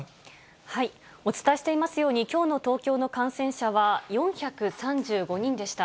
お伝えしていますように、きょうの東京の感染者は４３５人でした。